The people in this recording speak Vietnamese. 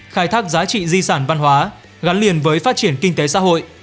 khai thác giá trị di sản văn hóa gắn liền với phát triển kinh tế xã hội